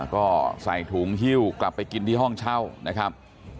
ก็ใส่ถุงฮิ้วกลับไปกินที่ห้องเช่านะครับ